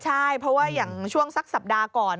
ใช่เพราะว่าอย่างช่วงสักสัปดาห์ก่อน